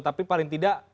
tapi paling tidak